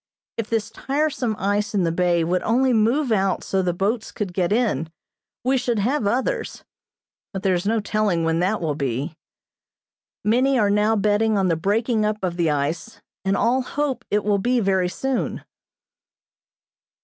If this tiresome ice in the bay would only move out so the boats could get in, we should have others, but there is no telling when that will be. Many are now betting on the breaking up of the ice, and all hope it will be very soon.